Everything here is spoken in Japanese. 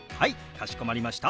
かしこまりました。